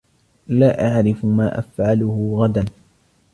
لا أعرف ما أفعلُهُ غداً.